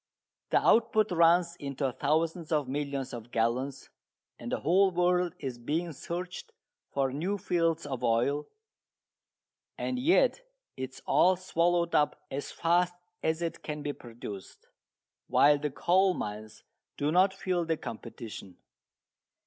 The output runs into thousands of millions of gallons, and the whole world is being searched for new fields of oil, and yet it is all swallowed up as fast as it can be produced, while the coal mines do not feel the competition.